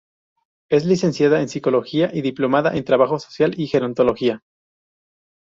Es licenciada en Psicología y diplomada en Trabajo Social y Gerontología.